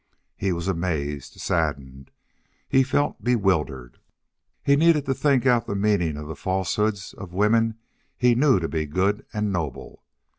He was amazed, saddened. He felt bewildered. He needed to think out the meaning of the falsehoods of women he knew to be good and noble.